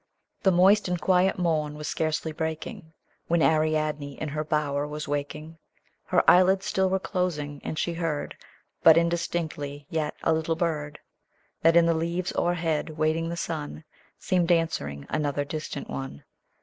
The moist and quiet morn was scarcely breakmg, When Ariadne in her bower was waking ; Her eyelids still were closing, and she heard But indistinctly yet a little bird, That in the leaves o'erhead, waiting the sun, Seemed answering another distant one.